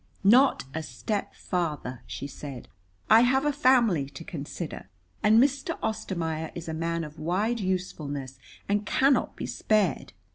"Not a step farther!" she said. "I have a family to consider, and Mr. Ostermaier is a man of wide usefulness and cannot be spared."